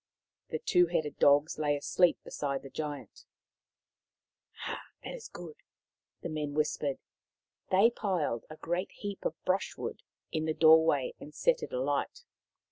The two headed dogs lay asleep beside the Giant. " That is good I " the men whispered. They piled a great heap of brushwood in the doorway and set it alight.